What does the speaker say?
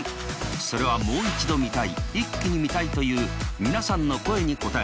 それはもう一度見たいイッキに見たいという皆さんの声に応え